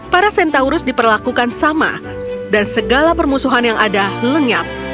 para centaurus diperlakukan sama dan segala permusuhan yang ada lenyap